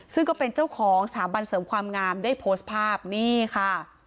ซึ่งก็เป็นเจ้าของสถาบันเสริมความงามได้โพสต์ภาพนี่ค่ะ